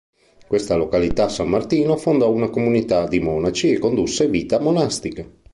In questa località San Martino fondò una comunità di monaci e condusse vita monastica.